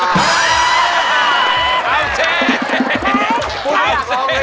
เฮ่ย